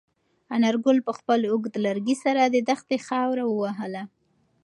انارګل په خپل اوږد لرګي سره د دښتې خاوره ووهله.